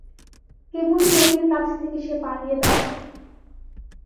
কেবলই লোকের কাছ থেকে সে পালিয়ে বেড়ায়।